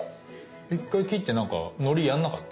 １回切ってなんかのりやんなかった？